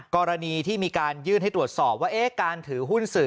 กรณีที่มีการยื่นให้ตรวจสอบว่าการถือหุ้นสื่อ